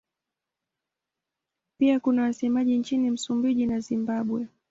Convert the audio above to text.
Pia kuna wasemaji nchini Msumbiji na Zimbabwe.